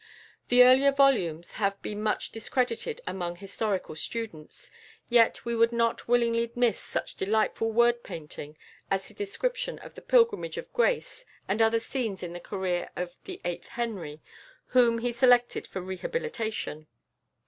The earlier volumes have been much discredited among historical students: yet we would not willingly miss such delightful word painting as his description of the Pilgrimage of Grace and other scenes in the career of the Eighth Henry, whom he selected for rehabilitation.